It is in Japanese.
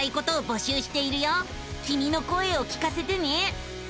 きみの声を聞かせてね。